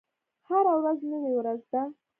هره ورځ نوې ورځ ده